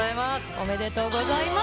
おめでとうございます。